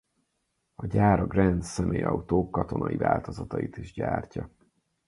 A gyár a Grand személyautók katonai változatait is gyártja.